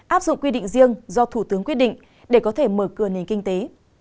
áp dụng quy định riêng do thủ tướng quyết định để có thể mở cửa nền kinh tế